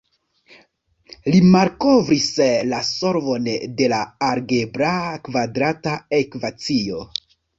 Li malkovris la solvon de la algebra kvadrata ekvacio.